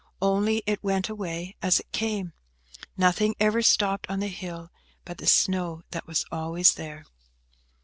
Only it went away as it came. Nothing ever stopped on the hill but the snow that was always there.